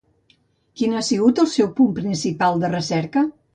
Quin ha sigut el seu punt principal de recerca?